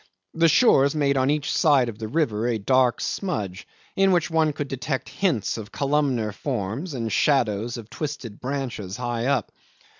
The shores made on each side of the river a dark smudge, in which one could detect hints of columnar forms and shadows of twisted branches high up.